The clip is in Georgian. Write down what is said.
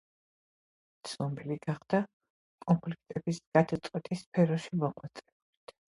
ცნობილი გახდა კონფლიქტების გადაწყვეტის სფეროში მოღვაწეობით.